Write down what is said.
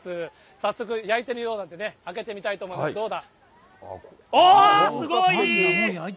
早速焼いてみようなんて、開けてみたいと思います、すごい。